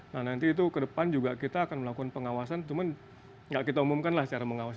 nah nanti itu ke depan juga kita akan melakukan pengawasan cuman nggak kita umumkanlah cara mengawasi